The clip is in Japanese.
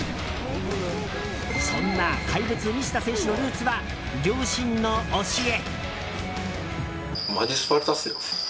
そんな怪物、西田選手のルーツは両親の教え。